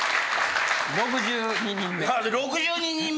６２人目。